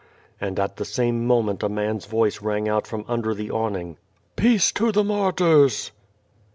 And at the same moment a man's voice rang out from under the awning: *Teace to the martyrs.